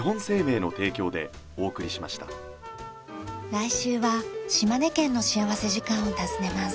来週は島根県の幸福時間を訪ねます。